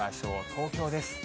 東京です。